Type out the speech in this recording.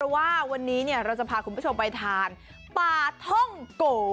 ว่าวันนี้เราจะพาคุณผู้ชมไปทานปลาท่องโก